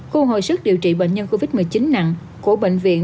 khu hồi sức điều trị bệnh nhân covid một mươi chín nặng của bệnh viện